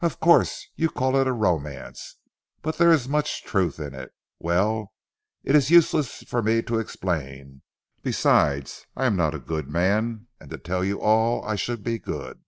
"Of course you call it a romance; but there is much truth in it. Well, it is useless for me to explain, besides I am not a good man, and to tell you all I should be good.